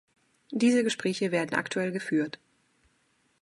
Diese Gespräche werden aktuell geführt.